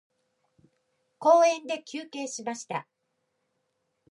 公園で休憩しました。